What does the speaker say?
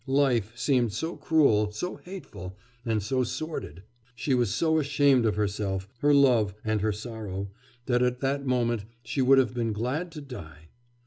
Life seemed so cruel, so hateful, and so sordid, she was so ashamed of herself, her love, and her sorrow, that at that moment she would have been glad to die....